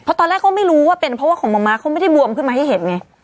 เพราะตอนแรกเขาไม่รู้ว่าเป็นเพราะว่าของมะม้าเขาไม่ได้บวมขึ้นมาให้เห็นไง